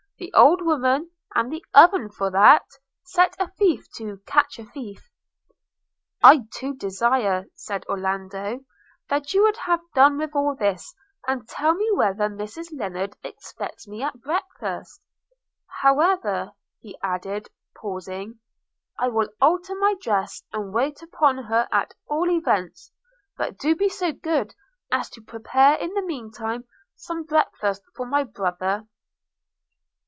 The old woman and the oven for that! Set a thief to catch a thief!' 'I do desire,' said Orlando, 'that you would have done with all this, and tell me whether Mrs Lennard expects me at breakfast? However,' added he, pausing, 'I will alter my dress, and wait upon her at all events; and do be so good as to prepare in the mean time some breakfast for my brother.'